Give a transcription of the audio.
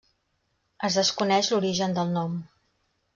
Es desconeix l'origen del nom.